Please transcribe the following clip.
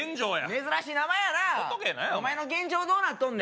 珍しい名前やなあ、お前の現状、どうなってんねん。